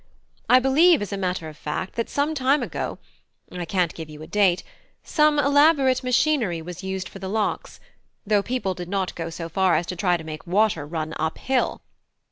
I believe, as a matter of fact, that some time ago (I can't give you a date) some elaborate machinery was used for the locks, though people did not go so far as try to make the water run up hill.